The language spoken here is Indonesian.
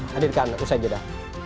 hadirkan usai jeda